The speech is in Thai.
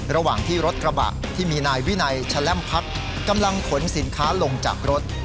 ระหว่างที่รถกระบะที่มีนายวินัยแชล่มพักกำลังขนสินค้าลงจากรถ